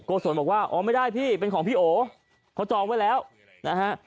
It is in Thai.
โกศลบอกว่าอ๋อไม่ได้พี่เป็นของพี่โอเขาจองไว้แล้วนะฮะ